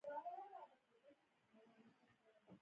شیرین د اسرائیلو د ظلمونو د پوښښ له امله مشهوره وه.